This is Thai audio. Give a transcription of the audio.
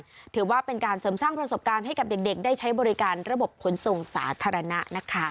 ก็ถือว่าเป็นการเสริมสร้างประสบการณ์ให้กับเด็กได้ใช้บริการระบบขนส่งสาธารณะนะคะ